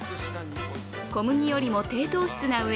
小麦よりも低糖質なうえ